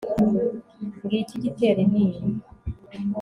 ngicyo igitera intimba